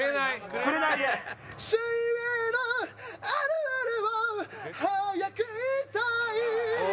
「水泳のあるあるを早く言いたい」